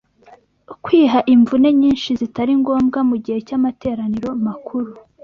kwiha imvune nyinshi zitari ngombwa mu gihe cy’amateraniro makuru